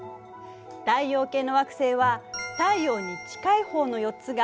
太陽系の惑星は太陽に近い方の４つが地球型惑星。